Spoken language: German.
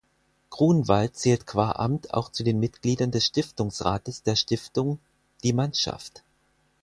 Grunwald zählt qua Amt auch zu den Mitgliedern des Stiftungsrates der Stiftung „Die Mannschaft“.